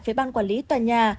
với ban quản lý tòa nhà